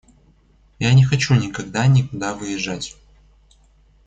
Я не хочу никогда никуда выезжать.